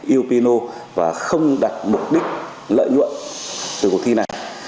yêu pino và không đặt mục đích lợi nhuận từ cuộc thi này